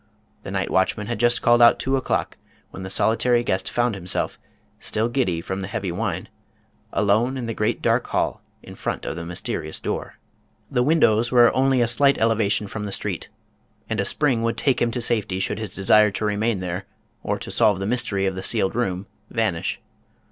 The night watchman had just called out two o'clock when the soli tary guest found himself, still giddy from the heavy wine, alone in the great dark hall in front of the mysterious door. The windows were at only a slight elevation from the street, and a spring would take him to safety should his desire to remain there, or to solve the mystery of the sealed room, vanish.